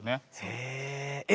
へえ。